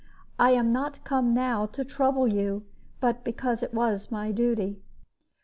I am not come now to trouble you, but because it was my duty."